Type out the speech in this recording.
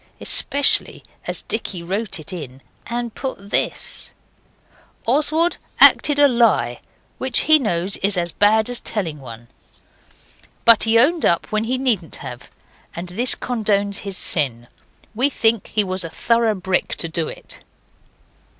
Especially as Dicky wrote it in and put this: 'Oswald acted a lie, which, he knows, is as bad as telling one. But he owned up when he needn't have, and this condones his sin. We think he was a thorough brick to do it.